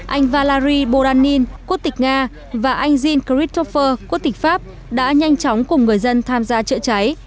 anh valari boranin quốc tịch nga và anh jean christopher quốc tịch pháp đã nhanh chóng cùng người dân tham gia chữa cháy